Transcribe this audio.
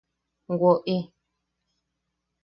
¡Woʼi!